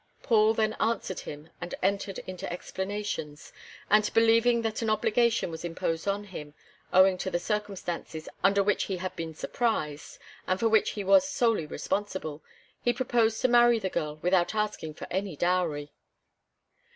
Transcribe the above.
Paul then answered him and entered into explanations; and, believing that an obligation was imposed on him, owing to the circumstances under which he had been surprised, and for which he was solely responsible, he proposed to marry the girl without asking for any dowry.